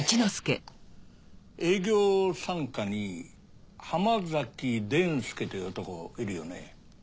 営業三課に浜崎伝助という男いるよね？